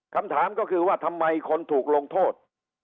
คำถามก็คือว่าทำไมคนถูกลงโทษ